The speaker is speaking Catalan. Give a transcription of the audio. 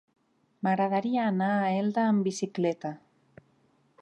M'agradaria anar a Elda amb bicicleta.